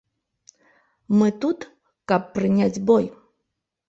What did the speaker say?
Мы тут, каб прыняць бой.